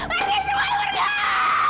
pergi semuanya pergi